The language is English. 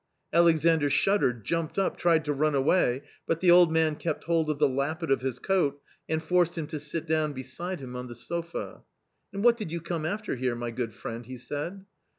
Alexandr shuddered, jumped up, tried to run away, but the old man kept hold of the lappet of his coat and forced him to sit down beside him on the sofa. " And what did you come after here, my good friend ?" he said.